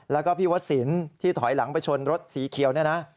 แล้วก็พี่วัดสินที่ถอยหลังไปชนรถสีเขียวเนี่ยนะ